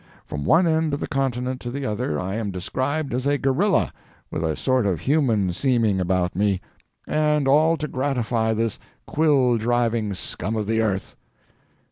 From one end of the continent to the other, I am described as a gorilla, with a sort of human seeming about me and all to gratify this quill driving scum of the earth!"